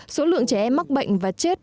số lượng trẻ em mắc bệnh và chết